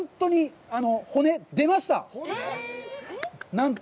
なんと。